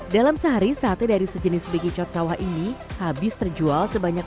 dalam sehari sate dari sejenis bekicot sawah ini habis terjual sebanyak lima puluh kg